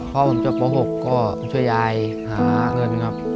พ่อผมจบป๖ก็ช่วยยายหาเงินครับ